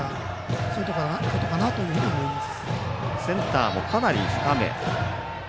そういうことかなというふうに思います。